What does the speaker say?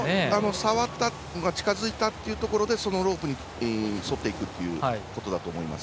触った、近づいたというところでそのロープに沿っていくということだと思います。